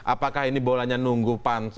apakah ini bolanya nunggu pan